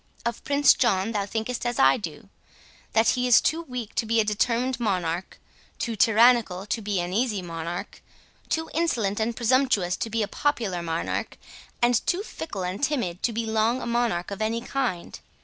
Of Prince John thou thinkest as I do; that he is too weak to be a determined monarch, too tyrannical to be an easy monarch, too insolent and presumptuous to be a popular monarch, and too fickle and timid to be long a monarch of any kind.